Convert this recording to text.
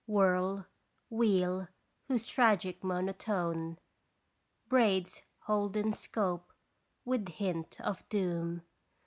Whirl, wheel, whose tragic monotone Braids holden scope with hint of doom.